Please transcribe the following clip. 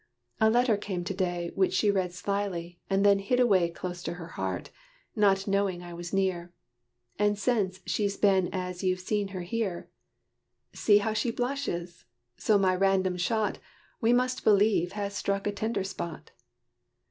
A letter came to day Which she read slyly, and then hid away Close to her heart, not knowing I was near: And since she's been as you have seen her here. See how she blushes! so my random shot We must believe has struck a tender spot."